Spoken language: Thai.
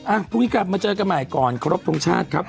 อ้าวพุทธีครับมาเจอกันใหม่ก่อนครบทุกชาติครับ